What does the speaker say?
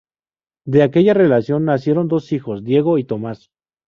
De aquella relación nacieron dos hijos, Diego y Tomás.